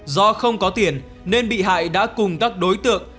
do không có tiền nên bị hại đã cùng các đối tượng